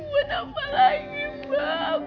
buat apa lagi mbak